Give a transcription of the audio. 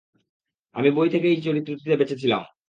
আমি বই থেকেই চরিত্রটিতে বেঁচে ছিলাম।